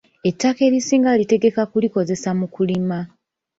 Ettaka erisinga alitegeka kulikozesa mu kulima.